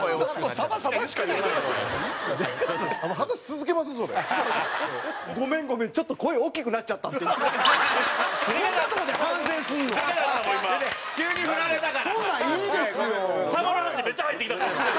サバの話めっちゃ入ってきた。